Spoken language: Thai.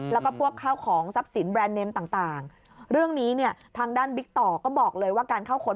แล้วก็พวกข้าวของทรัพย์สินแบรนด์เนมต่างเรื่องนี้เนี่ยทางด้านบิ๊กต่อก็บอกเลยว่าการเข้าขน